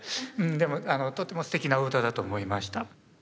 でもとってもすてきな歌だと思いました。